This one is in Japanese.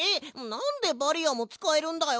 なんでバリアーもつかえるんだよ！